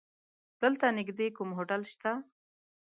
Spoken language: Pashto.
دلته نيږدې کوم هوټل شته؟